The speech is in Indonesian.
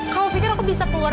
kau pikir aku bisa keluar